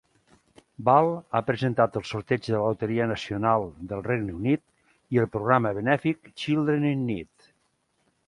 Ball ha presentat el sorteig de la loteria nacional del Regne Unit i el programa benèfic "Children in Need".